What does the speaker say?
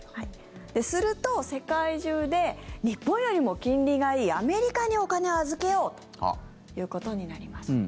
すると、世界中で日本よりも金利がいいアメリカにお金を預けようということになります。